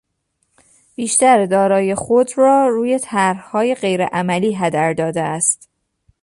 بیشتر دارایی خود را روی طرحهای غیر عملی هدر داده است.